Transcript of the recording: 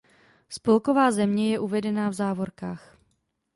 Spolková země je uvedená v závorkách.